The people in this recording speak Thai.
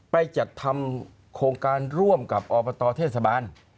ไปจัดทำโครงการร่วมกับอบตเทศบาล